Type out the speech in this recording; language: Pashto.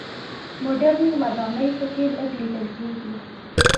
مډرنې ودانۍ په کې لږ لیدل کېږي.